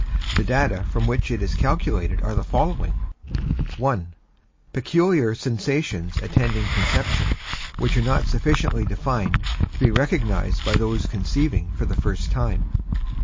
The data from which it is calculated are the following: (1) Peculiar sensations attending conception, which are not sufficiently defined to be recognized by those conceiving for the first time.